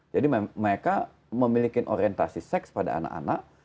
jadi mereka memiliki orientasi seks pada anak anak